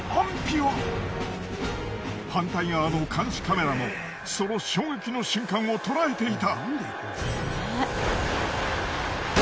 反対側の監視カメラもその衝撃の瞬間を捉えていた。